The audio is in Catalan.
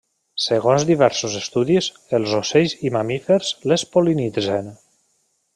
Segons diversos estudis, els ocells i mamífers les pol·linitzen.